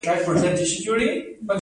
زماد پلار سیوری به ، یو وارې بیا،